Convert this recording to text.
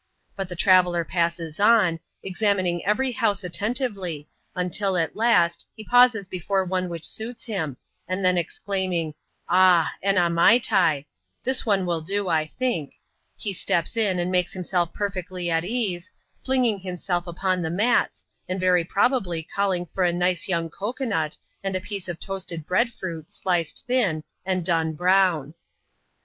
But the traveller passes on, examining every house attentively, until, at last, he pauses before one which suits him, and then exclaiming, " Ah, ena maitai " (this one will do, I think), he steps in, and makes himself perfectly at ease, flinging himself upon the mats, and very probably calling for a nice young cocoa nut, and a piece of toasted bread fruit, sliced thin, and done brown.